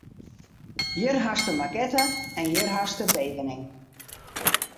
Hjir hast de makette en hjir hast de tekening.